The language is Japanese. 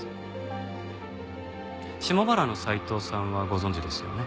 下原の斉藤さんはご存じですよね？